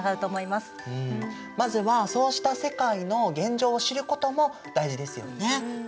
まずはそうした世界の現状を知ることも大事ですよね。